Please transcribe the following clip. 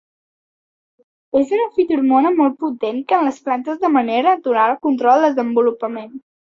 És una fitohormona molt potent que en les plantes de manera natural controla el desenvolupament.